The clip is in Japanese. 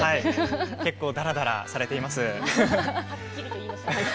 結構、だらだらされています。